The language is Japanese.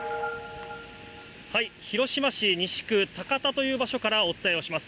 広島市西区田方という場所からお伝えをします。